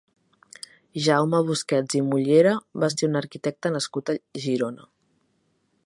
Jaume Busquets i Mollera va ser un arquitecte nascut a Girona.